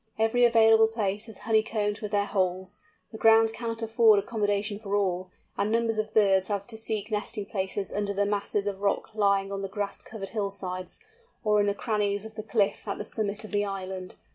Every available place is honeycombed with their holes; the ground cannot afford accommodation for all, and numbers of birds have to seek nesting places under the masses of rock lying on the grass covered hillsides, or in the crannies of the cliffs at the summit of the island.